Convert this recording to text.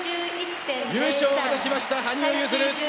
優勝を果たしました羽生結弦。